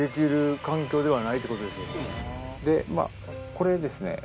これですね